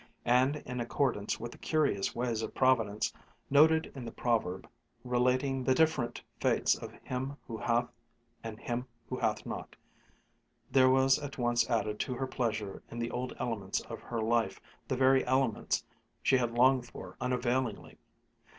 And in accordance with the curious ways of Providence, noted in the proverb relating the different fates of him who hath and him who hath not, there was at once added to her pleasure in the old elements of her life the very elements she had longed for unavailingly.